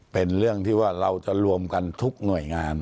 เป็นเรื่องที่ว่าเราจะรวมกันทุกหน่วยงาน